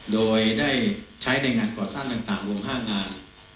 โดยได้ใช้ในงานก่อสร้างต่างรวม๕งาน